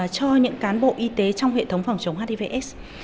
cho những cán bộ y tế trong hệ thống phòng chống hiv aids